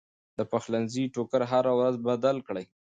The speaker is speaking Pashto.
د پخلنځي ټوکر هره ورځ بدل کړئ.